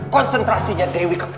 konsentrasinya dewi ke